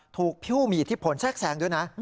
ถูกผิวมีที่ผลแชกแสงด้วยนะ